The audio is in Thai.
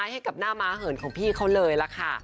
ให้กับหน้าม้าเหินของพี่เขาเลยล่ะค่ะ